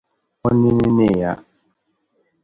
O nini neeya.